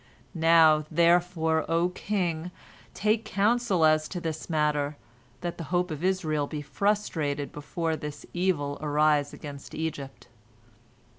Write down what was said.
Now, therefore, O king, take counsel as to this matter, that the hope of Israel be frustrated before this evil arise against Egypt."